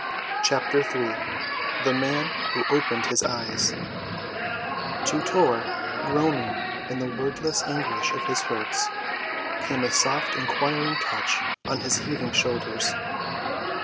CHAPTER III THE MAN WHO OPENED HIS EYES To Tor, groaning in the wordless anguish of his hurts, came a soft inquiring touch on his heaving shoulders.